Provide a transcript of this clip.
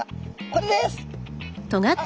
これです！